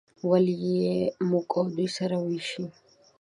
ولې یې په موږ او دوی سره ویشي.